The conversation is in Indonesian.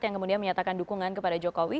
yang kemudian menyatakan dukungan kepada jokowi